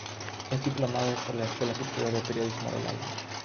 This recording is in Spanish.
Es diplomado por la Escuela Superior de Periodismo de Lille.